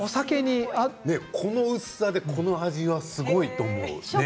この薄さでこの味は、すごいと思う。